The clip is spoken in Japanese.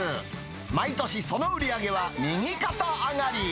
毎年その売り上げは右肩上がり。